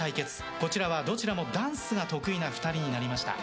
こちらはどちらもダンスが得意な２人となりました。